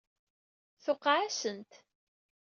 Tuqeɛ-asent.